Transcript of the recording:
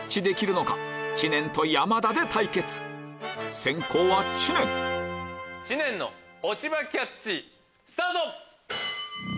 先攻は知念知念の落ち葉キャッチスタート！